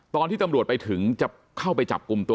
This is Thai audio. ตอนที่ตำรวจไปถึงจะเข้าไปจับกลุ่มตัว